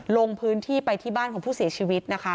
ลงพื้นที่ไปที่บ้านของผู้เสียชีวิตนะคะ